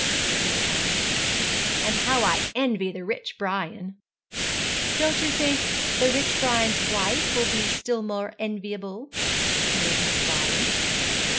repeated Ida; 'and how I envy the rich Brian!' 'Don't you think the rich Brian's wife will be still more enviable?' sneered Miss Rylance.